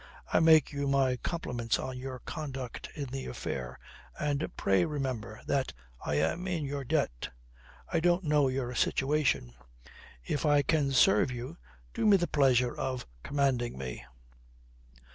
"I make you my compliments on your conduct in the affair. And pray remember that I am in your debt. I don't know your situation. If I can serve you, do me the pleasure of commanding me."